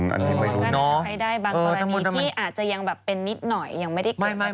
โดนได้ฐักได้บางกรณีที่อาจจะยังแบบเป็นนิดหน่อย